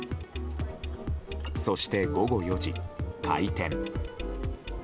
そして、午後４時、開店。